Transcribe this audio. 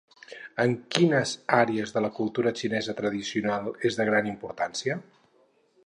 En quines àrees de la cultura xinesa tradicional és de gran importància?